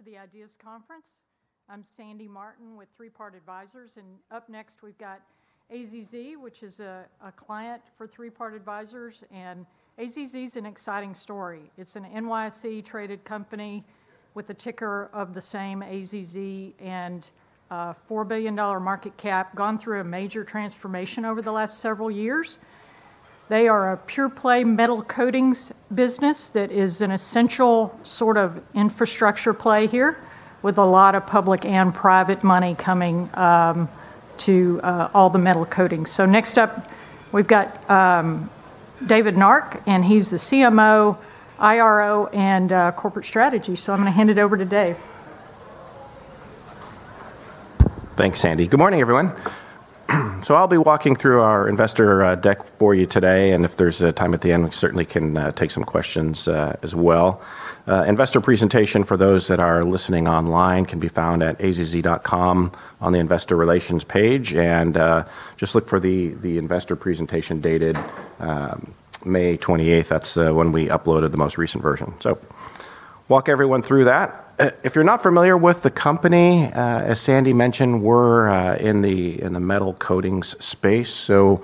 Welcome to the IDEAS Conference. I'm Sandy Martin with Three Part Advisors. Up next, we've got AZZ, which is a client for Three Part Advisors. AZZ is an exciting story. It's an NYSE-traded company with a ticker of the same, AZZ, and a $4 billion market cap. Gone through a major transformation over the last several years. They are a pure-play metal coatings business that is an essential sort of infrastructure play here, with a lot of public and private money coming to all the metal coatings. Next up, we've got David Nark, and he's the CMO, IRO, and corporate strategy. I'm going to hand it over to Dave. Thanks, Sandy. Good morning, everyone. I'll be walking through our investor deck for you today, and if there's time at the end, we certainly can take some questions as well. Investor presentation for those that are listening online can be found at azz.com on the investor relations page. Just look for the investor presentation dated May 28th. That's when we uploaded the most recent version. Walk everyone through that. If you're not familiar with the company, as Sandy mentioned, we're in the metal coatings space, a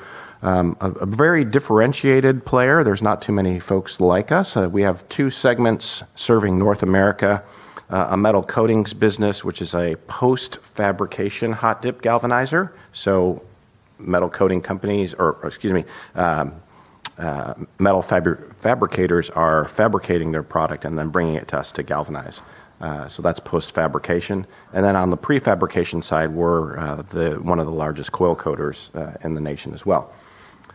very differentiated player. There's not too many folks like us. We have two segments serving North America, a metal coatings business, which is a post-fabrication hot-dip galvanizer. Metal fabricators are fabricating their product and then bringing it to us to galvanize. That's post-fabrication. On the pre-fabrication side, we're one of the largest coil coaters in the nation as well.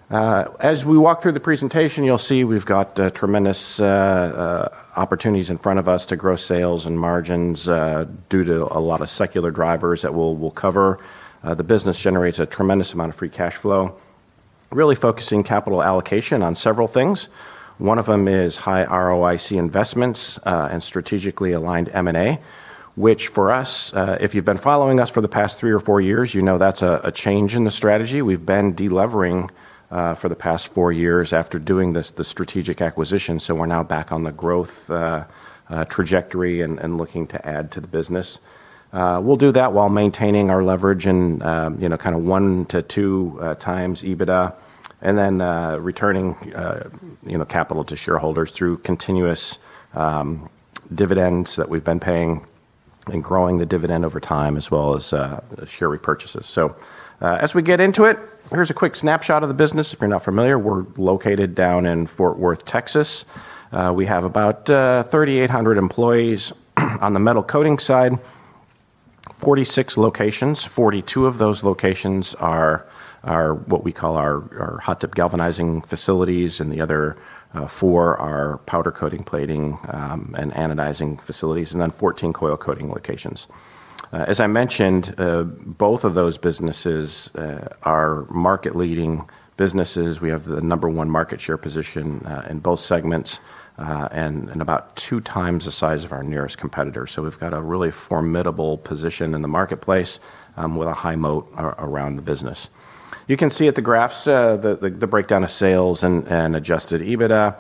As we walk through the presentation, you'll see we've got tremendous opportunities in front of us to grow sales and margins due to a lot of secular drivers that we'll cover. The business generates a tremendous amount of free cash flow, really focusing capital allocation on several things. One of them is high ROIC investments and strategically aligned M&A, which for us, if you've been following us for the past three or four years, you know that's a change in the strategy. We've been de-levering for the past four years after doing the strategic acquisition, so we're now back on the growth trajectory and looking to add to the business. We'll do that while maintaining our leverage in 1-2x EBITDA, and then returning capital to shareholders through continuous dividends that we've been paying, and growing the dividend over time, as well as share repurchases. As we get into it, here's a quick snapshot of the business. If you're not familiar, we're located down in Fort Worth, Texas. We have about 3,800 employees on the metal coating side, 46 locations. 42 of those locations are what we call our hot-dip galvanizing facilities, and the other four are powder coating, plating, and anodizing facilities, and then 14 coil coating locations. As I mentioned, both of those businesses are market-leading businesses. We have the number 1 market share position in both segments, and about 2x the size of our nearest competitor. We've got a really formidable position in the marketplace with a high moat around the business. You can see at the graphs, the breakdown of sales and adjusted EBITDA,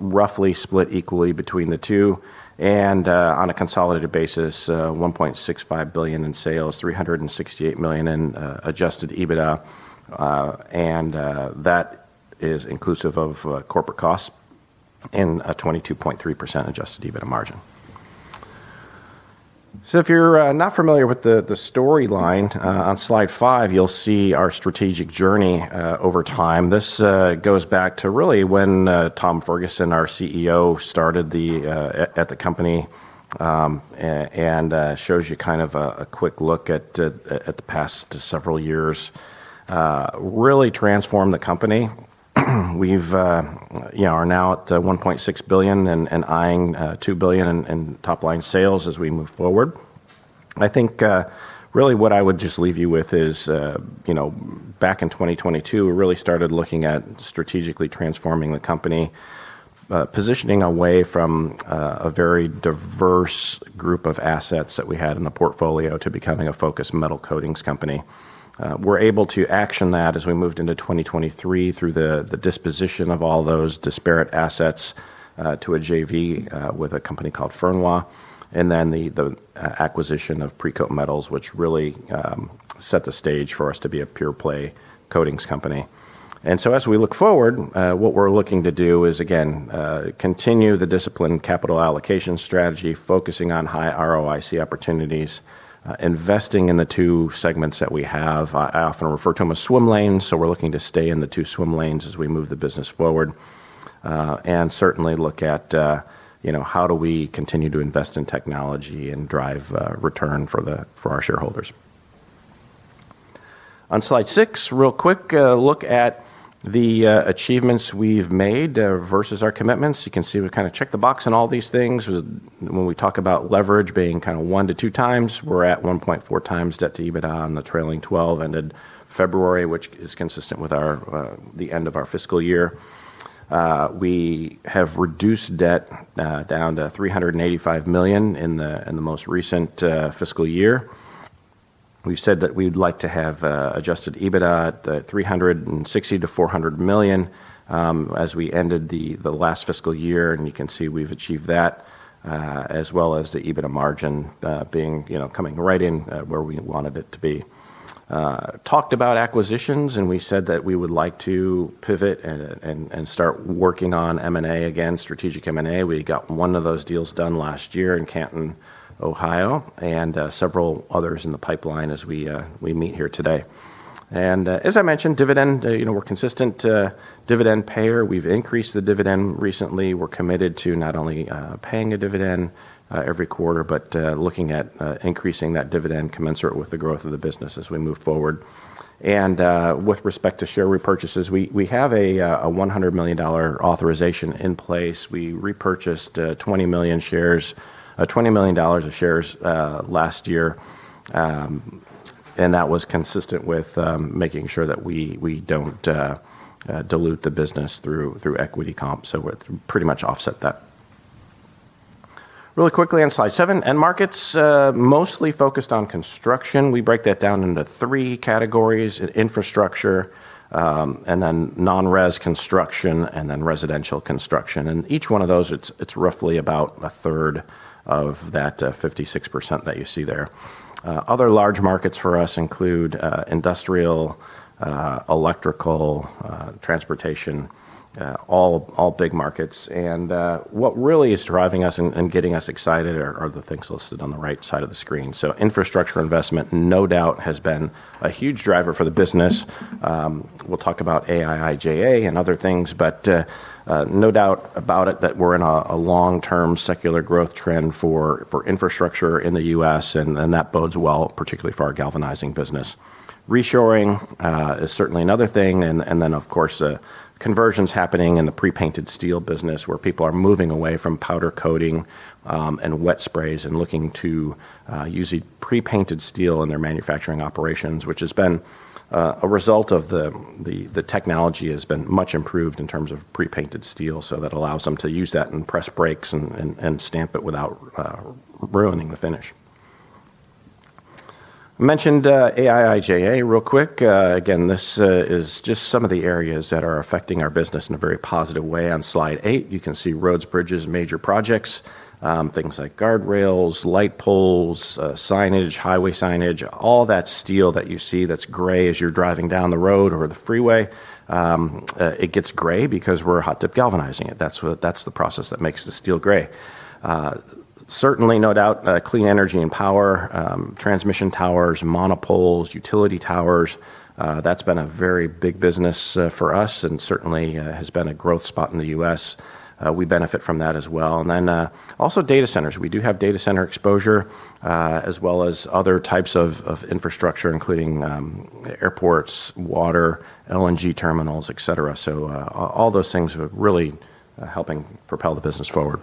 roughly split equally between the two. On a consolidated basis, $1.65 billion in sales, $368 million in adjusted EBITDA. That is inclusive of corporate costs and a 22.3% adjusted EBITDA margin. If you're not familiar with the storyline, on slide five, you'll see our strategic journey over time. This goes back to really when Tom Ferguson, our CEO, started at the company, and shows you a quick look at the past several years, really transformed the company. We're now at $1.6 billion and eyeing $2 billion in top-line sales as we move forward. I think really what I would just leave you with is back in 2022, we really started looking at strategically transforming the company, positioning away from a very diverse group of assets that we had in the portfolio to becoming a focused metal coatings company. We were able to action that as we moved into 2023 through the disposition of all those disparate assets to a JV with a company called Fernweh Group LLC, and then the acquisition of Precoat Metals, which really set the stage for us to be a pure-play coatings company. As we look forward, what we're looking to do is, again, continue the disciplined capital allocation strategy, focusing on high ROIC opportunities, investing in the two segments that we have. I often refer to them as swim lanes, so we're looking to stay in the two swim lanes as we move the business forward. Certainly look at how do we continue to invest in technology and drive return for our shareholders. On slide six, a real quick look at the achievements we've made versus our commitments. You can see we've kind of checked the box on all these things. When we talk about leverage being one to two times, we're at 1.4 times debt to EBITDA on the trailing 12 ended February, which is consistent with the end of our fiscal year. We have reduced debt down to $385 million in the most recent fiscal year. We've said that we'd like to have adjusted EBITDA at the $360 million-$400 million as we ended the last fiscal year, and you can see we've achieved that, as well as the EBITDA margin coming right in where we wanted it to be. Talked about acquisitions. We said that we would like to pivot and start working on M&A again, strategic M&A. We got one of those deals done last year in Canton, Ohio. Several others in the pipeline as we meet here today. As I mentioned, dividend, we're a consistent dividend payer. We've increased the dividend recently. We're committed to not only paying a dividend every quarter, but looking at increasing that dividend commensurate with the growth of the business as we move forward. With respect to share repurchases, we have a $100 million authorization in place. We repurchased $20 million of shares last year. That was consistent with making sure that we don't dilute the business through equity comp. We pretty much offset that. Really quickly on slide seven. End markets, mostly focused on construction. We break that down into 3 categories, infrastructure, non-res construction, and residential construction. Each one of those, it's roughly about a third of that 56% that you see there. Other large markets for us include industrial, electrical, transportation, all big markets. What really is driving us and getting us excited are the things listed on the right side of the screen. Infrastructure investment, no doubt, has been a huge driver for the business. We'll talk about IIJA and other things, but no doubt about it that we're in a long-term secular growth trend for infrastructure in the U.S., and that bodes well, particularly for our galvanizing business. Reshoring is certainly another thing. Of course, conversion's happening in the pre-painted steel business where people are moving away from powder coating and wet sprays and looking to use pre-painted steel in their manufacturing operations, which has been a result of the technology has been much improved in terms of pre-painted steel. That allows them to use that in press breaks and stamp it without ruining the finish. I mentioned IIJA real quick. Again, this is just some of the areas that are affecting our business in a very positive way. On slide eight, you can see roads, bridges, major projects, things like guardrails, light poles, signage, highway signage, all that steel that you see that's gray as you're driving down the road or the freeway. It gets gray because we're hot-dip galvanizing it. That's the process that makes the steel gray. Certainly, no doubt, clean energy and power, transmission towers, monopoles, utility towers, that's been a very big business for us and certainly has been a growth spot in the U.S. We benefit from that as well. Also data centers. We do have data center exposure, as well as other types of infrastructure, including airports, water, LNG terminals, et cetera. All those things are really helping propel the business forward.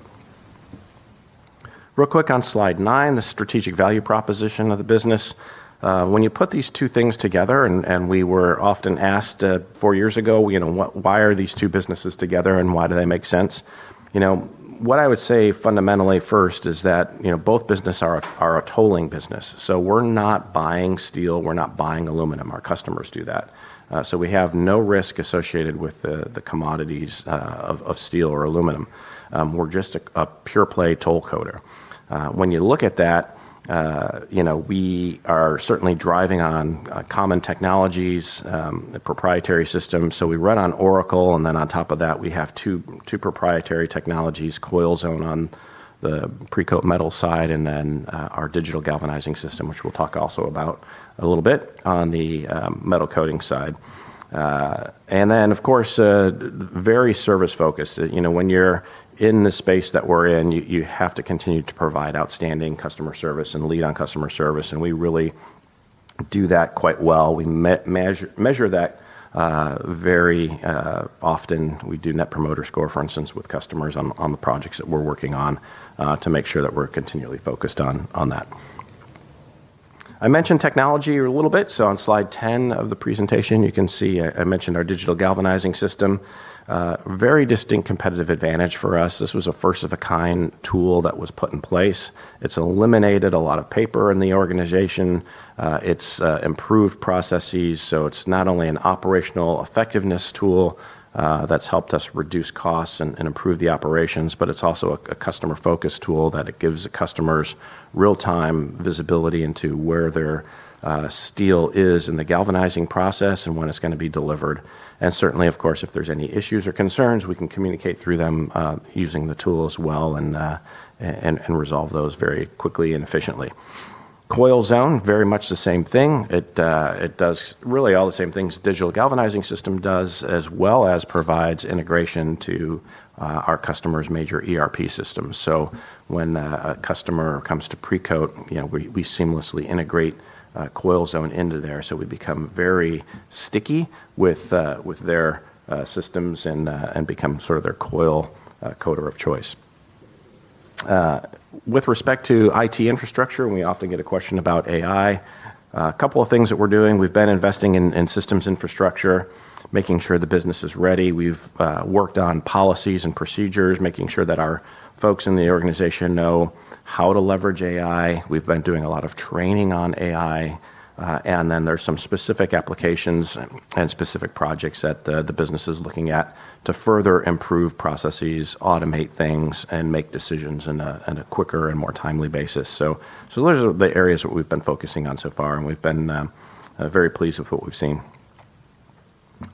Real quick on slide nine, the strategic value proposition of the business. When you put these two things together, and we were often asked four years ago, "Why are these two businesses together, and why do they make sense?" What I would say fundamentally first is that both business are a tolling business. We're not buying steel, we're not buying aluminum. Our customers do that. We have no risk associated with the commodities of steel or aluminum. We're just a pure-play toll coater. You look at that, we are certainly driving on common technologies, proprietary systems. We run on Oracle, and on top of that, we have two proprietary technologies, CoilZone on the Precoat Metals side, and our Digital Galvanizing System, which we'll talk also about a little bit on the Metal Coatings side. Of course, very service-focused. When you're in the space that we're in, you have to continue to provide outstanding customer service and lead on customer service, and we really do that quite well. We measure that very often. We do Net Promoter Score, for instance, with customers on the projects that we're working on to make sure that we're continually focused on that. I mentioned technology a little bit. On slide 10 of the presentation, you can see I mentioned our Digital Galvanizing System. Very distinct competitive advantage for us. This was a first-of-a-kind tool that was put in place. It's eliminated a lot of paper in the organization. It's improved processes. It's not only an operational effectiveness tool that's helped us reduce costs and improve the operations, but it's also a customer-focused tool that it gives the customers real-time visibility into where their steel is in the galvanizing process and when it's going to be delivered. Certainly, of course, if there's any issues or concerns, we can communicate through them using the tool as well and resolve those very quickly and efficiently. CoilZone, very much the same thing. It does really all the same things Digital Galvanizing System does, as well as provides integration to our customers' major ERP systems. When a customer comes to Precoat, we seamlessly integrate CoilZone into there. We become very sticky with their systems and become sort of their coil coater of choice. With respect to IT infrastructure, we often get a question about AI. A couple of things that we're doing, we've been investing in systems infrastructure, making sure the business is ready. We've worked on policies and procedures, making sure that our folks in the organization know how to leverage AI. We've been doing a lot of training on AI. Then there's some specific applications and specific projects that the business is looking at to further improve processes, automate things, and make decisions in a quicker and more timely basis. Those are the areas that we've been focusing on so far, and we've been very pleased with what we've seen.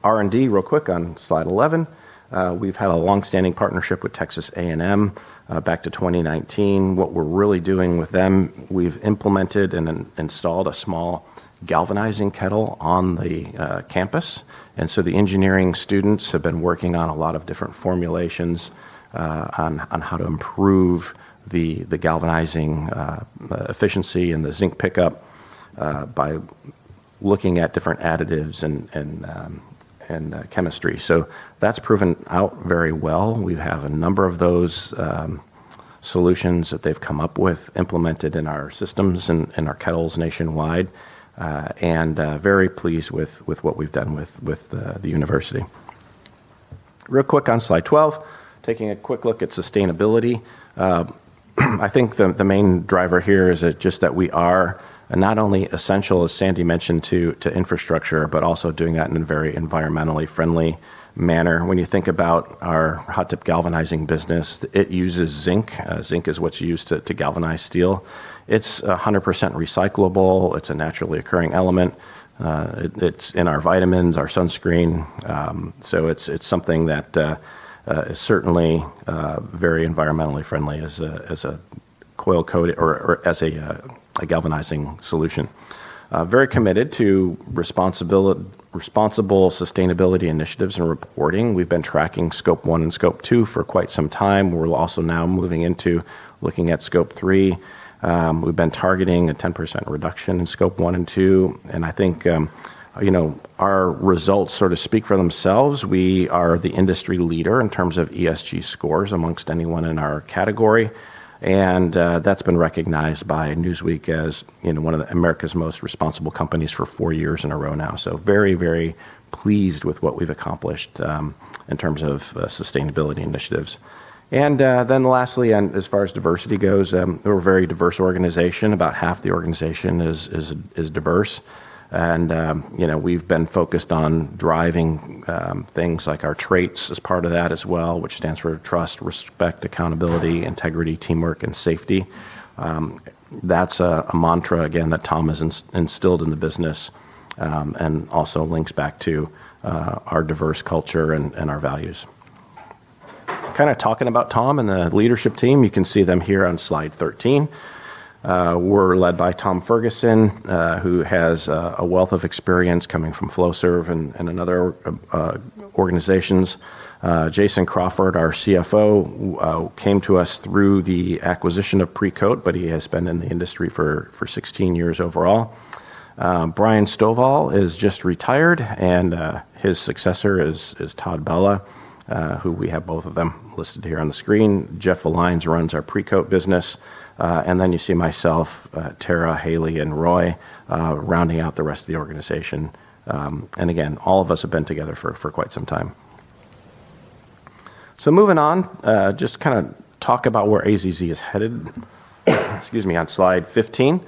R&D, real quick on slide 11. We've had a longstanding partnership with Texas A&M back to 2019. What we're really doing with them, we've implemented and installed a small galvanizing kettle on the campus. The engineering students have been working on a lot of different formulations on how to improve the galvanizing efficiency and the zinc pickup by looking at different additives and chemistry. That's proven out very well. We have a number of those solutions that they've come up with implemented in our systems and our kettles nationwide. Very pleased with what we've done with the university. Real quick on slide 12, taking a quick look at sustainability. I think the main driver here is just that we are not only essential, as Sandy mentioned, to infrastructure, but also doing that in a very environmentally friendly manner. When you think about our hot-dip galvanizing business, it uses zinc. Zinc is what's used to galvanize steel. It's 100% recyclable. It's a naturally occurring element. It's in our vitamins, our sunscreen. It's something that is certainly very environmentally friendly as a galvanizing solution. Very committed to responsible sustainability initiatives and reporting. We've been tracking Scope 1 and Scope 2 for quite some time. We're also now moving into looking at Scope 3. We've been targeting a 10% reduction in Scope 1 and 2, and I think our results sort of speak for themselves. We are the industry leader in terms of ESG scores amongst anyone in our category, and that's been recognized by Newsweek as one of America's most responsible companies for four years in a row now. Very, very pleased with what we've accomplished in terms of sustainability initiatives. Lastly, as far as diversity goes, we're a very diverse organization. About half the organization is diverse. We've been focused on driving things like our TRAITS as part of that as well, which stands for trust, respect, accountability, integrity, teamwork, and safety. That's a mantra, again, that Tom has instilled in the business, and also links back to our diverse culture and our values. Kind of talking about Tom and the leadership team, you can see them here on slide 13. We're led by Tom Ferguson, who has a wealth of experience coming from Flowserve and other organizations. Jason Crawford, our CFO, came to us through the acquisition of Precoat, but he has been in the industry for 16 years overall. Bryan Stovall is just retired, and his successor is Todd Bella, who we have both of them listed here on the screen. Jeff Allain runs our Precoat business. Then you see myself, Tara, Haley, and Roy rounding out the rest of the organization. Again, all of us have been together for quite some time. Moving on, just to kind of talk about where AZZ is headed excuse me, on slide 15.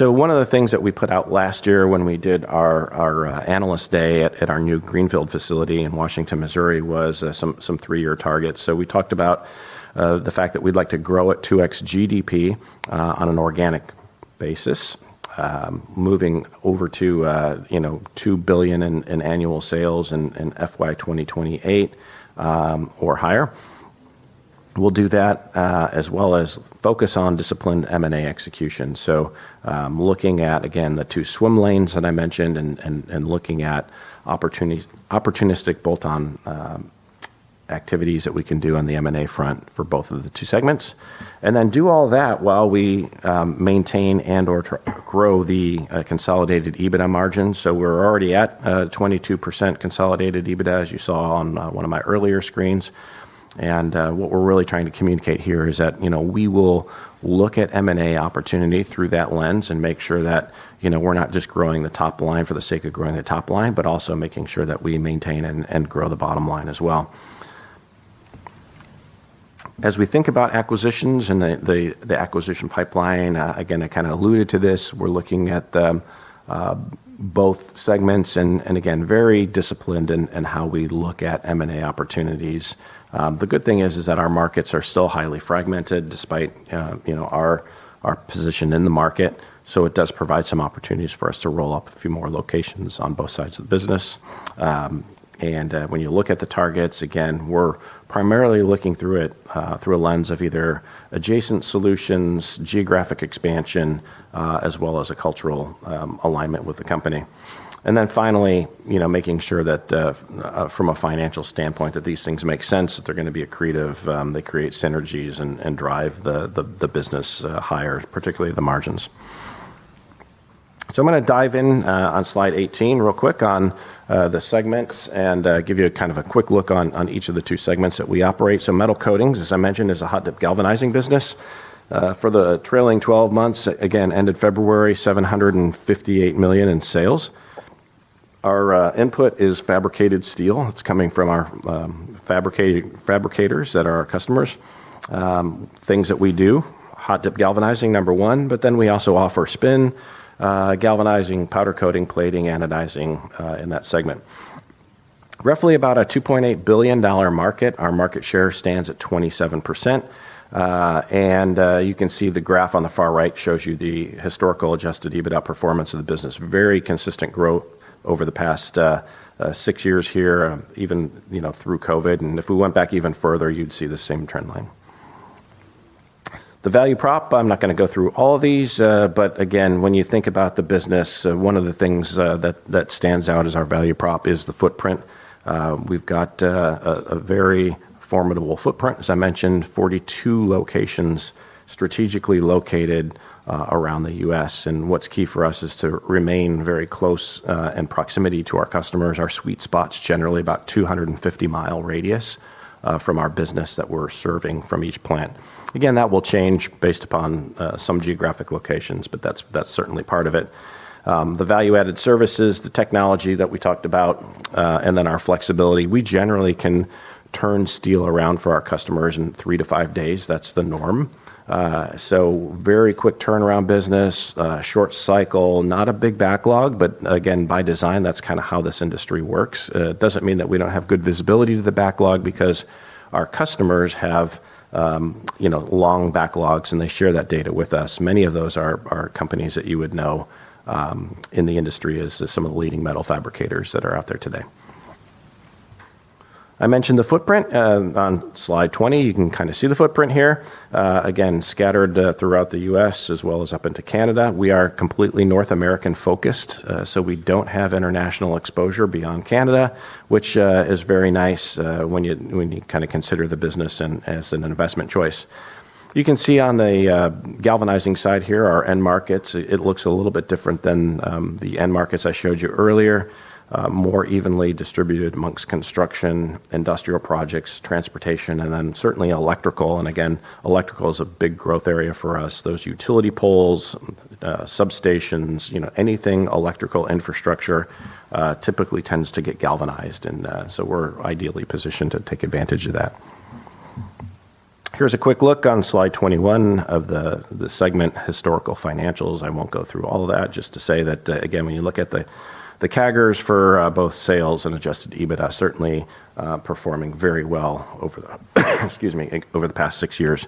One of the things that we put out last year when we did our Analyst Day at our new greenfield facility in Washington, Missouri, was some three-year targets. We talked about the fact that we'd like to grow at 2X GDP on an organic basis. Moving over to $2 billion in annual sales in FY 2028 or higher. We'll do that, as well as focus on disciplined M&A execution. Looking at, again, the two swim lanes that I mentioned and looking at opportunistic bolt-on activities that we can do on the M&A front for both of the two segments. Then do all that while we maintain and/or grow the consolidated EBITDA margin. We're already at 22% consolidated EBITDA, as you saw on one of my earlier screens. What we're really trying to communicate here is that we will look at M&A opportunity through that lens and make sure that we're not just growing the top line for the sake of growing the top line, but also making sure that we maintain and grow the bottom line as well. As we think about acquisitions and the acquisition pipeline, again, I kind of alluded to this, we're looking at both segments, and again, very disciplined in how we look at M&A opportunities. The good thing is that our markets are still highly fragmented despite our position in the market. It does provide some opportunities for us to roll up a few more locations on both sides of the business. When you look at the targets, again, we're primarily looking through it through a lens of either adjacent solutions, geographic expansion, as well as a cultural alignment with the company. Then finally, making sure that from a financial standpoint, that these things make sense, that they're going to be accretive, they create synergies, and drive the business higher, particularly the margins. I'm going to dive in on slide 18 real quick on the segments and give you kind of a quick look on each of the two segments that we operate. Metal Coatings, as I mentioned, is a hot-dip galvanizing business. For the trailing 12 months, again, ended February, $758 million in sales. Our input is fabricated steel. It's coming from our fabricators that are our customers. Things that we do, hot-dip galvanizing, number one. We also offer spin galvanizing, powder coating, plating, anodizing in that segment. Roughly about a $2.8 billion market. Our market share stands at 27%, and you can see the graph on the far right shows you the historical adjusted EBITDA performance of the business. Very consistent growth over the past six years here, even through COVID. If we went back even further, you'd see the same trend line. The value prop, I'm not going to go through all of these, but again, when you think about the business, one of the things that stands out as our value prop is the footprint. We've got a very formidable footprint. As I mentioned, 42 locations strategically located around the U.S. What's key for us is to remain very close in proximity to our customers. Our sweet spot's generally about 250-mile radius, from our business that we're serving from each plant. Again, that will change based upon some geographic locations, but that's certainly part of it. The value-added services, the technology that we talked about, and then our flexibility. We generally can turn steel around for our customers in three to five days. That's the norm. Very quick turnaround business, short cycle, not a big backlog. Again, by design, that's kind of how this industry works. It doesn't mean that we don't have good visibility to the backlog because our customers have long backlogs. They share that data with us. Many of those are companies that you would know in the industry as some of the leading metal fabricators that are out there today. I mentioned the footprint. On slide 20, you can kind of see the footprint here. Again, scattered throughout the U.S. as well as up into Canada. We are completely North American focused. We don't have international exposure beyond Canada, which is very nice when you kind of consider the business as an investment choice. You can see on the galvanizing side here, our end markets, it looks a little bit different than the end markets I showed you earlier. More evenly distributed amongst construction, industrial projects, transportation, and then certainly electrical. Again, electrical is a big growth area for us. Those utility poles, substations, anything electrical infrastructure typically tends to get galvanized. We're ideally positioned to take advantage of that. Here's a quick look on slide 21 of the segment historical financials. I won't go through all of that. Just to say that, again, when you look at the CAGRs for both sales and adjusted EBITDA, certainly performing very well over the excuse me, over the past six years.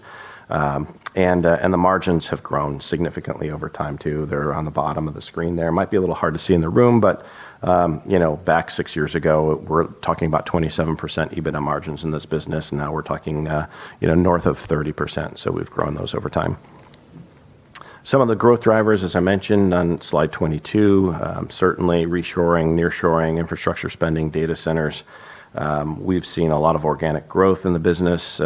The margins have grown significantly over time, too. They're on the bottom of the screen there. Might be a little hard to see in the room, but back six years ago, we're talking about 27% EBITDA margins in this business. Now we're talking north of 30%. We've grown those over time. Some of the growth drivers, as I mentioned on slide 22, certainly reshoring, nearshoring, infrastructure spending, data centers. We've seen a lot of organic growth in the business,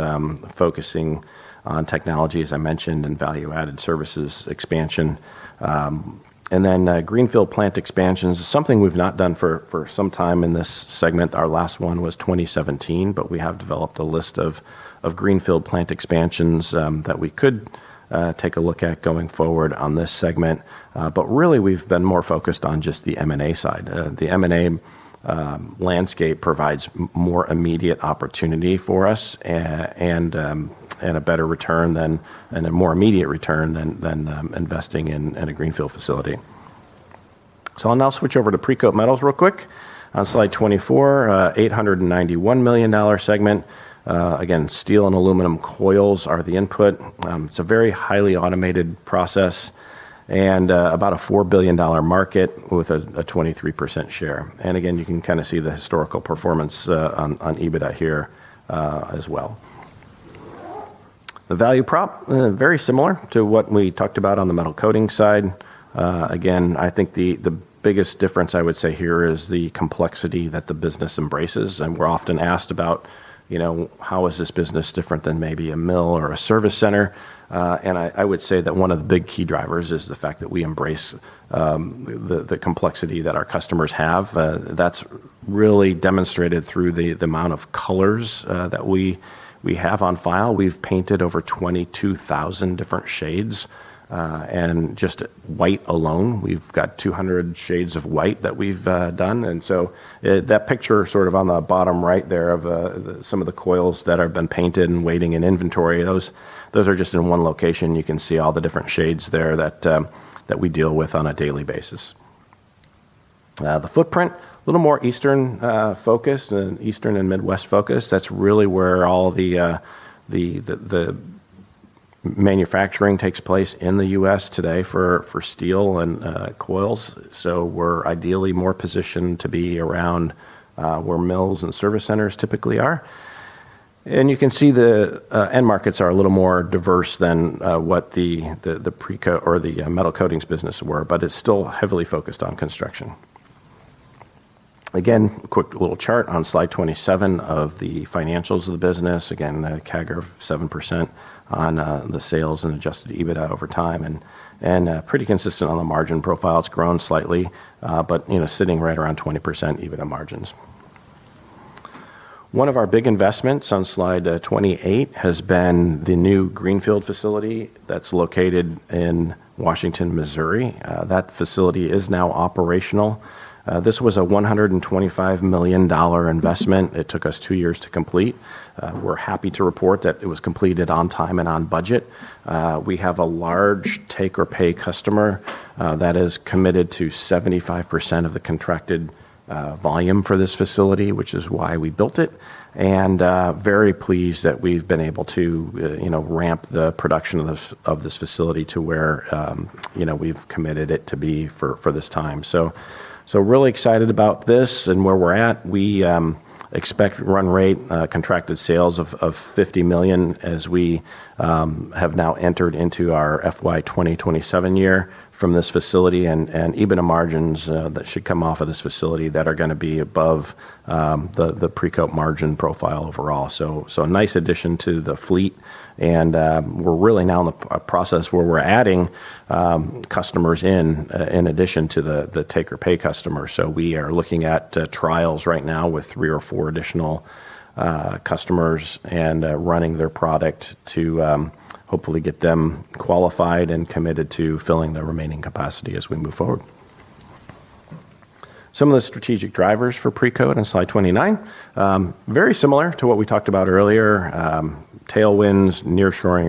focusing on technology, as I mentioned, and value-added services expansion. Greenfield plant expansions is something we've not done for some time in this segment. Our last one was 2017, but we have developed a list of greenfield plant expansions that we could take a look at going forward on this segment. Really, we've been more focused on just the M&A side. The M&A landscape provides more immediate opportunity for us, and a better return than, and a more immediate return than investing in a greenfield facility. I'll now switch over to Precoat Metals real quick. On slide 24, $891 million segment. Again, steel and aluminum coils are the input. It's a very highly automated process, and about a $4 billion market with a 23% share. Again, you can kind of see the historical performance on EBITDA here as well. The value prop, very similar to what we talked about on the Metal Coatings side. I think the biggest difference I would say here is the complexity that the business embraces, and we're often asked about how is this business different than maybe a mill or a service center. I would say that one of the big key drivers is the fact that we embrace the complexity that our customers have. That's really demonstrated through the amount of colors that we have on file. We've painted over 22,000 different shades, and just white alone, we've got 200 shades of white that we've done. That picture sort of on the bottom right there of some of the coils that have been painted and waiting in inventory, those are just in one location. You can see all the different shades there that we deal with on a daily basis. The footprint, a little more eastern focused and eastern and Midwest focused. That's really where all the manufacturing takes place in the U.S. today for steel and coils. We're ideally more positioned to be around where mills and service centers typically are. You can see the end markets are a little more diverse than what the Precoat Metals or the Metal Coatings business were, but it's still heavily focused on construction. Quick little chart on slide 27 of the financials of the business. The CAGR of 7% on the sales and adjusted EBITDA over time, and pretty consistent on the margin profile. It's grown slightly, but sitting right around 20% EBITDA margins. One of our big investments on slide 28 has been the new greenfield facility that's located in Washington, Missouri. That facility is now operational. This was a $125 million investment. It took us two years to complete. We're happy to report that it was completed on time and on budget. We have a large take-or-pay customer that is committed to 75% of the contracted volume for this facility, which is why we built it, and very pleased that we've been able to ramp the production of this facility to where we've committed it to be for this time. Really excited about this and where we're at. We expect run rate contracted sales of $50 million as we have now entered into our FY 2027 year from this facility, and EBITDA margins that should come off of this facility that are going to be above the Precoat Metals margin profile overall. A nice addition to the fleet, and we're really now in the process where we're adding customers in addition to the take-or-pay customer. We are looking at trials right now with three or four additional customers and running their product to hopefully get them qualified and committed to filling the remaining capacity as we move forward. Some of the strategic drivers for Precoat in slide 29. Very similar to what we talked about earlier. Tailwinds, nearshoring,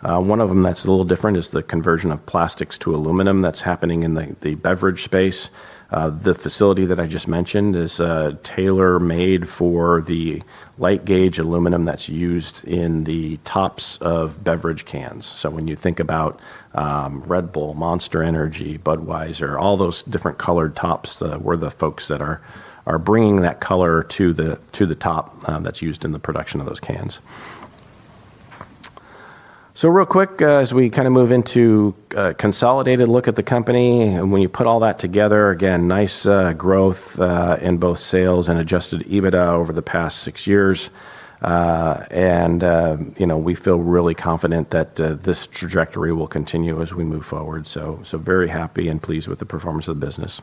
reshoring. One of them that's a little different is the conversion of plastics to aluminum that's happening in the beverage space. The facility that I just mentioned is tailor-made for the light gauge aluminum that's used in the tops of beverage cans. When you think about Red Bull, Monster Energy, Budweiser, all those different colored tops, we're the folks that are bringing that color to the top that's used in the production of those cans. Real quick, as we move into a consolidated look at the company, when you put all that together, again, nice growth in both sales and adjusted EBITDA over the past six years. We feel really confident that this trajectory will continue as we move forward. Very happy and pleased with the performance of the business.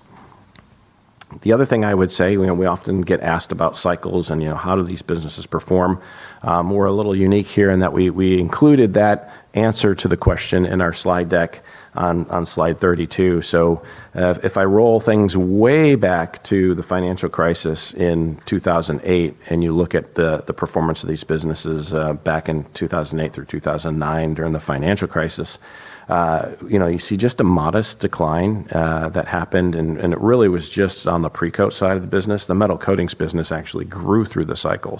The other thing I would say, we often get asked about cycles and how do these businesses perform. We're a little unique here in that we included that answer to the question in our slide deck on slide 32. If I roll things way back to the financial crisis in 2008, and you look at the performance of these businesses back in 2008 through 2009 during the financial crisis, you see just a modest decline that happened, and it really was just on the Precoat side of the business. The metal coatings business actually grew through the cycle.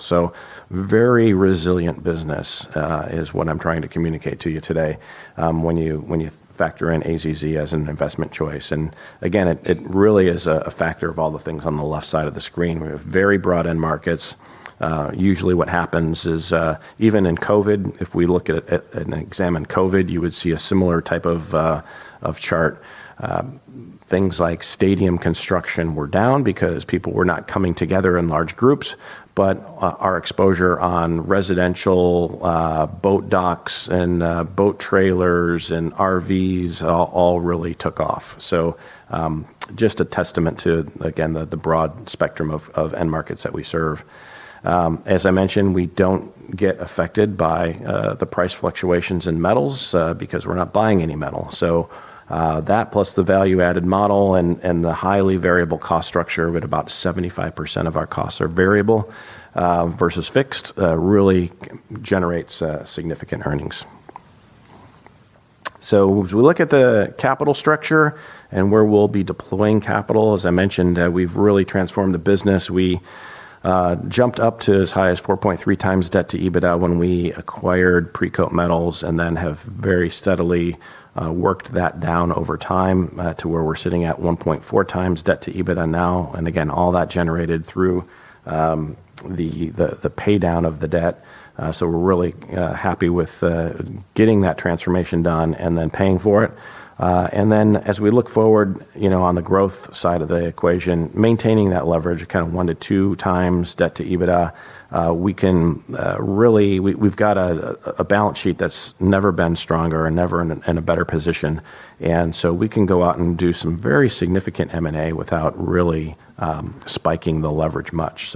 Very resilient business is what I'm trying to communicate to you today when you factor in AZZ as an investment choice. Again, it really is a factor of all the things on the left side of the screen. We have very broad end markets. Usually what happens is, even in COVID, if we look at and examine COVID, you would see a similar type of chart. Things like stadium construction were down because people were not coming together in large groups. Our exposure on residential boat docks and boat trailers and RVs all really took off. Just a testament to, again, the broad spectrum of end markets that we serve. As I mentioned, we don't get affected by the price fluctuations in metals because we're not buying any metal. That plus the value-added model and the highly variable cost structure of it, about 75% of our costs are variable versus fixed, really generates significant earnings. As we look at the capital structure and where we'll be deploying capital, as I mentioned, we've really transformed the business. We jumped up to as high as 4.3 times debt to EBITDA when we acquired Precoat Metals, and then have very steadily worked that down over time to where we're sitting at 1.4 times debt to EBITDA now. Again, all that generated through the paydown of the debt. We're really happy with getting that transformation done and then paying for it. As we look forward on the growth side of the equation, maintaining that leverage at kind of 1x-2x debt to EBITDA, we've got a balance sheet that's never been stronger and never in a better position. We can go out and do some very significant M&A without really spiking the leverage much.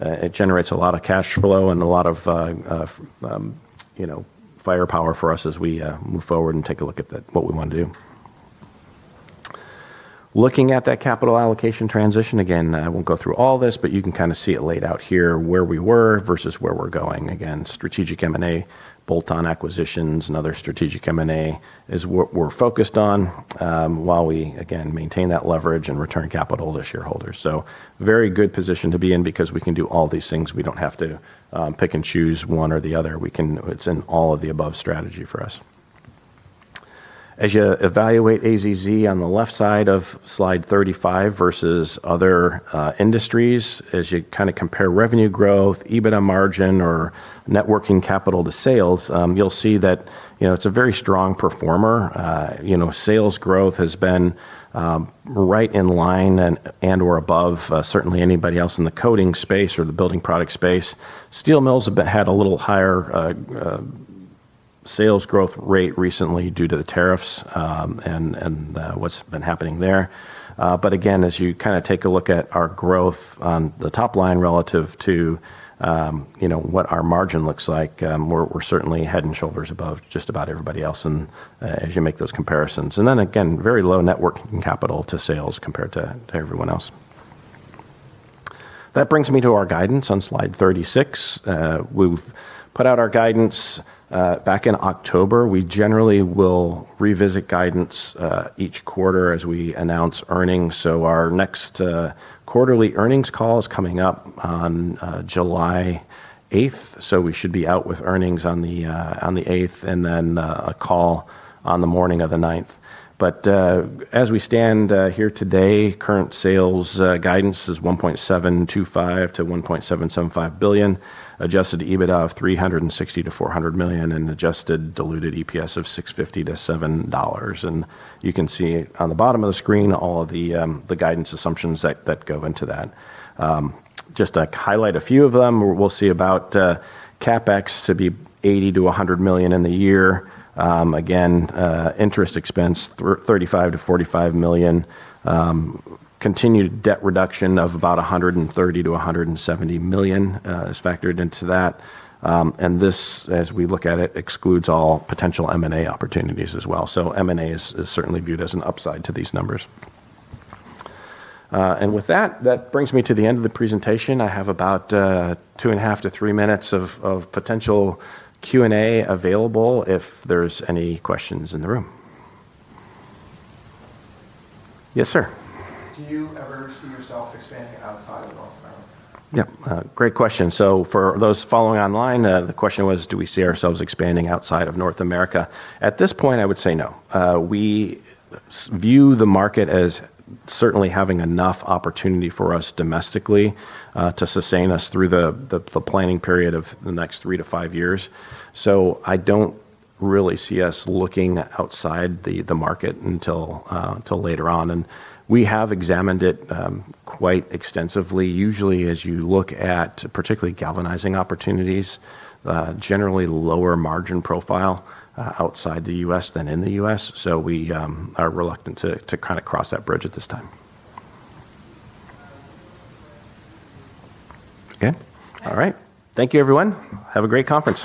It generates a lot of cash flow and a lot of firepower for us as we move forward and take a look at what we want to do. Looking at that capital allocation transition, I won't go through all this, but you can kind of see it laid out here, where we were versus where we're going. Strategic M&A, bolt-on acquisitions, and other strategic M&A is what we're focused on while we, again, maintain that leverage and return capital to shareholders. Very good position to be in because we can do all these things. We don't have to pick and choose one or the other. It's an all of the above strategy for us. As you evaluate AZZ on the left side of slide 35 versus other industries, as you compare revenue growth, EBITDA margin, or net working capital to sales, you'll see that it's a very strong performer. Sales growth has been right in line and/or above certainly anybody else in the coatings space or the building product space. Steel mills have had a little higher sales growth rate recently due to the tariffs, and what's been happening there. As you take a look at our growth on the top line relative to what our margin looks like, we're certainly head and shoulders above just about everybody else as you make those comparisons. Very low net working capital to sales compared to everyone else. That brings me to our guidance on Slide 36. We've put out our guidance back in October. We generally will revisit guidance each quarter as we announce earnings. Our next quarterly earnings call is coming up on July 8th. We should be out with earnings on the 8th, and then a call on the morning of the 9th. As we stand here today, current sales guidance is $1.725 billion-$1.775 billion, adjusted EBITDA of $360 million-$400 million, and adjusted diluted EPS of $6.50-$7. You can see on the bottom of the screen all of the guidance assumptions that go into that. Just to highlight a few of them, we'll see about CapEx to be $80 million-$100 million in the year. Again, interest expense, $35 million-$45 million. Continued debt reduction of about $130 million-$170 million is factored into that. This, as we look at it, excludes all potential M&A opportunities as well. M&A is certainly viewed as an upside to these numbers. With that brings me to the end of the presentation. I have about two and a half to three minutes of potential Q&A available if there's any questions in the room. Yes, sir. Do you ever see yourself expanding outside of North America? Yeah. Great question. For those following online, the question was, do we see ourselves expanding outside of North America? At this point, I would say no. We view the market as certainly having enough opportunity for us domestically, to sustain us through the planning period of the next three to five years. I don't really see us looking outside the market until later on. We have examined it quite extensively. Usually, as you look at particularly galvanizing opportunities, generally lower margin profile outside the U.S. than in the U.S. We are reluctant to cross that bridge at this time. Okay. All right. Thank you, everyone. Have a great conference.